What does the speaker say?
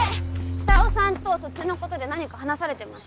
二魚さんと土地のことで何か話されてました？